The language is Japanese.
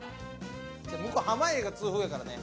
向こう濱家が痛風やからね。